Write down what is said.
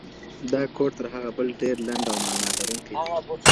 دا کوډ تر هغه بل ډېر لنډ او مانا لرونکی دی.